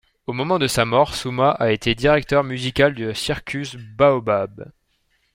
Au moment de sa mort, Soumah a été directeur musical de Circus Baobab.